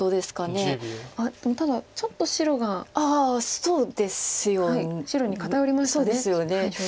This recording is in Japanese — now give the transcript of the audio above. でもただちょっと白が白に偏りましたね勝率。